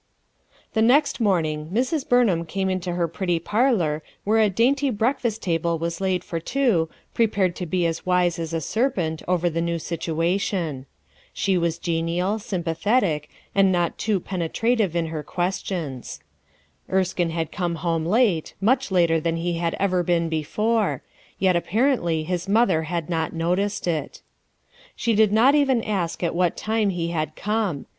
THE next morning Mrs. Eurnham came into her pretty parlor, where a dainty break fast table was laid for two, prepared to be as wise as a serpent over the new situation. She was genial, sympathetic, and not too penetrative in her questions. Erskine had come home late much later than he had ever been before; yet apparently his mother had not noticed it. She did not even ask at what time he had come.